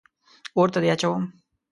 اور ته دې اچوم.